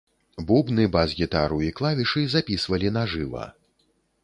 Бубны, бас-гітару і клавішы запісвалі на жыва.